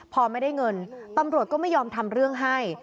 พอไม่ได้เงินตำรวจก็ไม่ยอมทำเรื่องให้